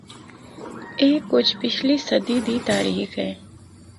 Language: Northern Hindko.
اے کجھ پچھلی صدی دی تاریخ اے۔